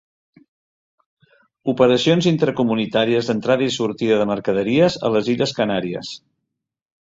Operacions intracomunitàries d'entrada i sortida de mercaderies a les illes Canàries.